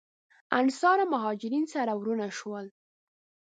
انصار او مهاجرین سره وروڼه شول.